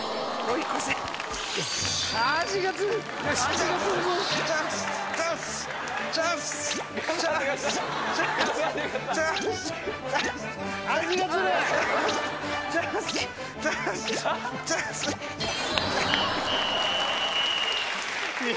いや